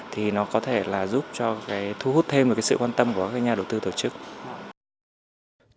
thì nó có thể là giúp thu hút thêm sự quan tâm của các nhà đầu tư tổ chức